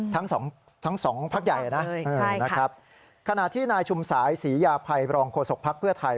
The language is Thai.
ทั้งสองทั้งสองพักใหญ่นะนะครับขณะที่นายชุมสายศรียาภัยบรองโฆษกภักดิ์เพื่อไทย